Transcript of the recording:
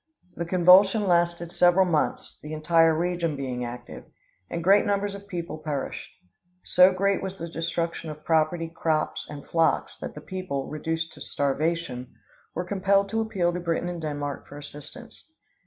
The convulsion lasted several months, the entire region being active; and great numbers of people perished. So great was the destruction of property, crops, and flocks that the people, reduced to starvation, were compelled to appeal to Britain and Denmark for assistance.